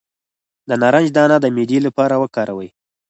د نارنج دانه د معدې لپاره وکاروئ